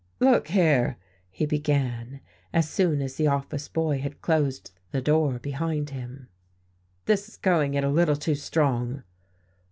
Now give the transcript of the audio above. "Look here," he began, as soon as the office boy had closed the door behind him, "this is going it a little too strong."